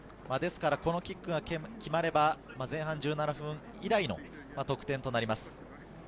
ですからこのキックが決まれば、前半１７分以来の得点となります。